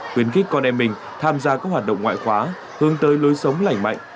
tuyên kích con em mình tham gia các hoạt động ngoại khóa hướng tới lối sống lảnh mạnh